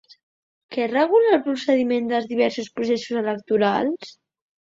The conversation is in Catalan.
Què regula el procediment dels diversos processos electorals?